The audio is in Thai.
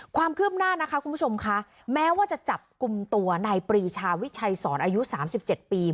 ความคื้มหน้านะคะคุณผู้ชมคะแม้ว่าจะจับกุมตัวในปรีชาวิทชายศรอายุสามสิบเจ็ดปี